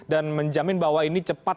menjamin bahwa ini cepat